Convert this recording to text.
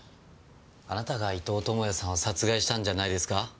あなたが伊東知也さんを殺害したんじゃないですか？